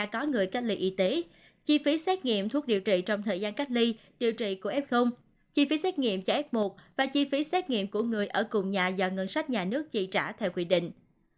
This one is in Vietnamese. chí phí xét nghiệm thuốc điều trị trong thời gian cách ly điều trị của f chí phí xét nghiệm cho f một và chí phí xét nghiệm của người ở cùng nhà do ngân sách nhà nước trị trả theo quy định